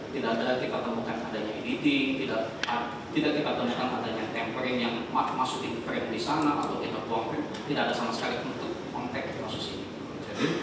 tidak ada kita temukan adanya editing tidak kita temukan adanya tempering yang masukin frame di sana atau kita buang frame tidak ada sama sekali bentuk konteks kasus ini